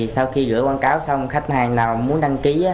sau khi gửi quảng cáo xong khách hàng nào muốn đăng ký